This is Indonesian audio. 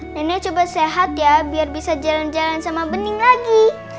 nenek coba sehat ya biar bisa jalan jalan sama bening lagi